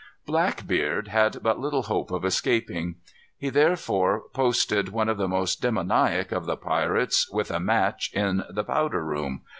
Blackbeard had but little hope of escaping. He therefore posted one of the most demoniac of the pirates, with a match, in the powder room.